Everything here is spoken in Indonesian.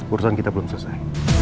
urusan kita belum selesai